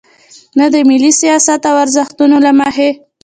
نه د ملي سیاست او ارزښتونو له مخې.